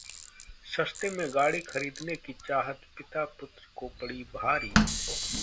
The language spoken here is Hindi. सस्ते में गाड़ी खरीदने की चाहत पिता-पुत्र को पड़ी भारी